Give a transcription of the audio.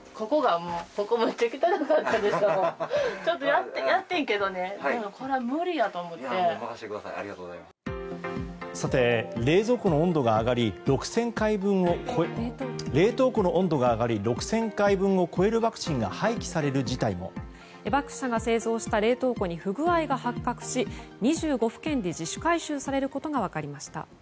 ＥＢＡＣ社が製造した冷凍庫に不具合が発覚し２５府県で自主回収されることが分かりました。